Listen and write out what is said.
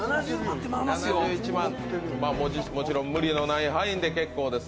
７１万、もちろん無理のない範囲で結構です。